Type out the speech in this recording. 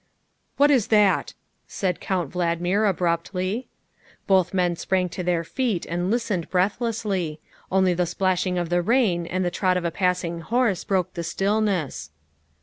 ''" What is that?" said Count Valdmir abruptly. Both men sprang to their feet and listened breath lessly. Only the splashing of the rain and the trot of a passing horse broke the stillness.